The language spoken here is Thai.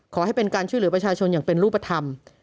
ขอให้เป็นการช่วยเหลือประชาชนอย่างเป็นรูปธรรม